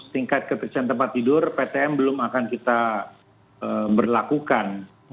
tingkat kepercayaan tempat tidur ptm belum akan kita berlakukan